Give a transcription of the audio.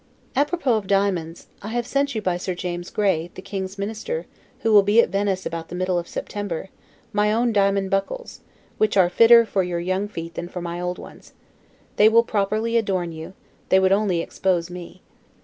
A propos of diamonds: I have sent you by Sir James Gray, the King's Minister, who will be at Venice about the middle of September, my own diamond buckles; which are fitter for your young feet than for my old ones: they will properly adorn you; they would only expose me.